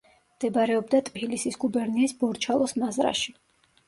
მდებარეობდა ტფილისის გუბერნიის ბორჩალოს მაზრაში.